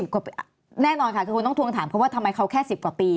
๑๐กว่าปีแน่นอนค่ะคุณต้องทวงถามเพราะว่าทำไมเขาแค่๑๐กว่าปี